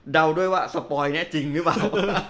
ด้วยว่าสปอยเนี่ยจริงหรือเปล่า